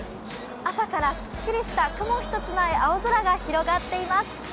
朝からスッキリした雲一つない青空が広がっています。